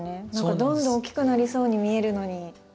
どんどん大きくなりそうに見えるのに。